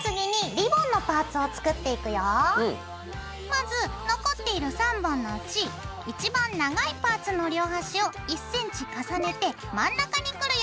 まず残っている３本のうちいちばん長いパーツの両端を１ｃｍ重ねて真ん中にくるように持ちます。